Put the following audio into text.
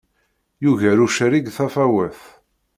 Yuger ucerrig tafawet.